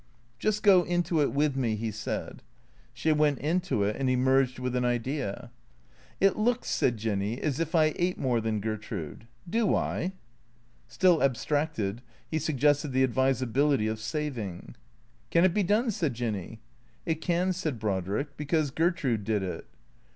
"" Just go into it with me," he said. She went into it and emerged with an idea. " It looks," said Jinny, " as if I ate more than Gertrude. D( I? " Still abstracted, he suggested the advisability of saving. " Can it be done ?" said Jinny. " It can," said Brodrick, " because Gertrude did it."